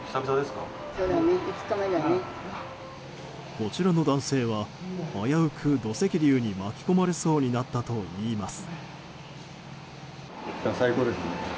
こちらの男性は危うく土石流に巻き込まれそうになったといいます。